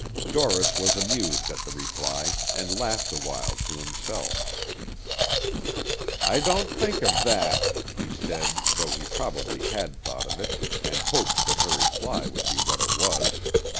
Dorris was amused at the reply, and laughed awhile to himself. "I didn't think of that," he said, though he probably had thought of it, and hoped that her reply would be what it was.